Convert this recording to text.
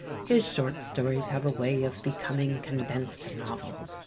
His short stories have a way of becoming ccmdensed novels.